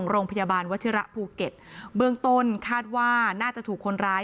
โรงพยาบาลวัชิระภูเก็ตเบื้องต้นคาดว่าน่าจะถูกคนร้าย